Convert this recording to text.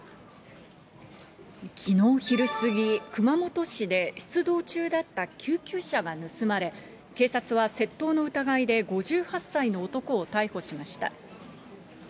きのう昼過ぎ、熊本市で出動中だった救急車が盗まれ、警察は窃盗の疑いで５８歳の男を逮捕しました。